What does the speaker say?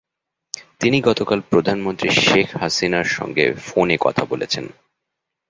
তিনি গতকাল প্রধানমন্ত্রী শেখ হাসিনার সঙ্গে ফোনে কথা বলেছেন।